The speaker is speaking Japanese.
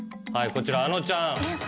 こちらあのちゃん。